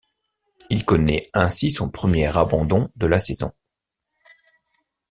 Il connaît ainsi son premier abandon de la saison.